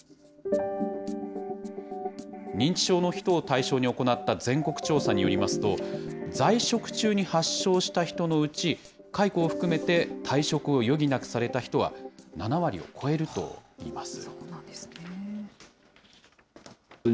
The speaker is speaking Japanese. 認知症の人を対象に行った全国調査によりますと、在職中に発症した人のうち、解雇を含めて退職を余儀なくされた人は７割を超えるといいます。